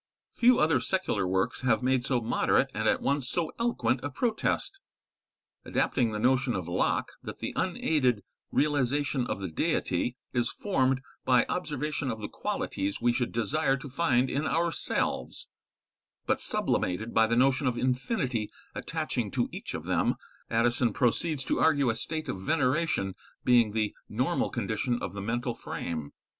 Few other secular works have made so moderate and at once so eloquent a protest. Adapting the notion of Locke that the unaided realisation of the Deity is formed by observation of the qualities we should desire to find in ourselves, but sublimated by the notion of infinity attaching to each of them, Addison proceeds to argue a state of veneration being the normal condition of the mental frame.